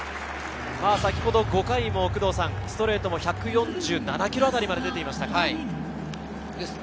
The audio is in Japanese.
先ほど５回もストレートも１４７キロあたりまで出ていました。